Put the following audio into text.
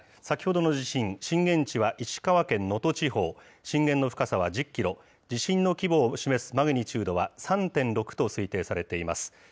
先ほどの地震、震源地は石川県能登地方、震源の深さは１０キロ、地震の規模を示すマグニチュードは３．６と推定されています。